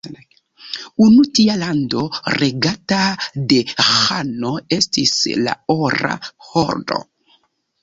Unu tia lando regata de ĥano estis la Ora Hordo.